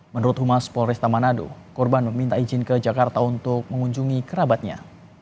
menurut humas polresta manado korban meminta izin ke jakarta untuk mengunjungi kerabatnya